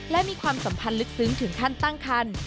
และมีความสัมพันธ์ลึกซึ้งถึงขั้นตั้งคัน